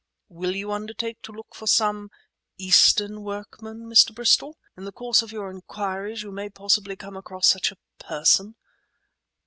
Will you undertake to look for some—Eastern workmen, Mr. Bristol? In the course of your inquiries you may possibly come across such a person."